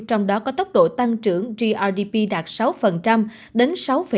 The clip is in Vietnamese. trong đó có tốc độ tăng trưởng grdp đạt sáu đến sáu bảy